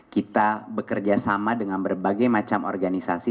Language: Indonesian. kita bekerja sama dengan berbagai macam organisasi